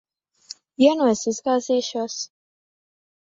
Ja nu es izgāzīšos?